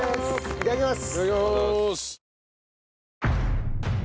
いただきます！